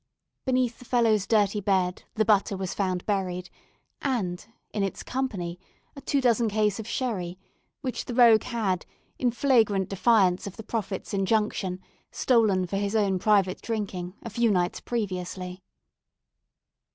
Beneath the fellow's dirty bed, the butter was found buried; and, in its company, a two dozen case of sherry, which the rogue had, in flagrant defiance of the Prophet's injunction, stolen for his own private drinking, a few nights previously.